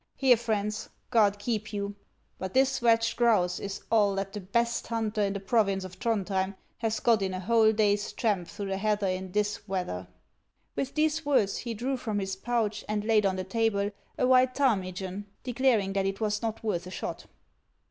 Here, friends, God keep you ! but this wretched grouse is all that the best hunter in the province of Throndhjein has got in a whole day's tramp through the heather in this weather." With these words he drew from his pouch and laid on the table a white ptarmigan, declaring that it was not worth a shot.